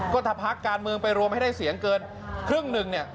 ก็ถ้าพักการเมืองไปรวมให้ได้เสียงเกินครึ่งหนึ่งเนี่ย